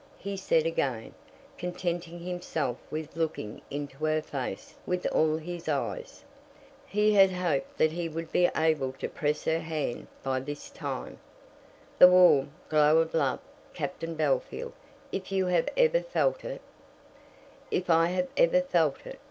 he said again, contenting himself with looking into her face with all his eyes. He had hoped that he would have been able to press her hand by this time. "The warm, glow of love, Captain Bellfield, if you have ever felt it " "If I have ever felt it!